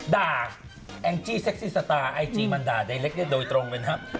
ด่าแองจี้เซ็กซี่สตาร์ไอจี้มันด่าโดยตรงเลยนะ